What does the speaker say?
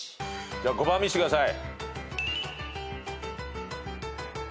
じゃあ５番見してください。